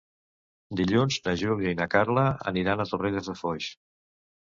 Dilluns na Júlia i na Carla aniran a Torrelles de Foix.